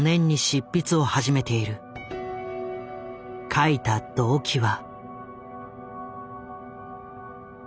書いた動機は。